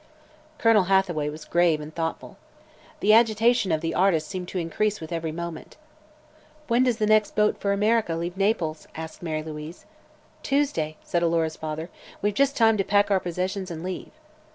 Colonel Hathaway was grave and thoughtful. The agitation of the artist seemed to increase with every moment. "When does the next boat for America leave Naples?" asked Mary Louise. "Tuesday," said Alora's father. "We've just time to pack our possessions and leave."